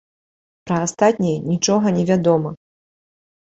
Пра астатнія нічога не вядома.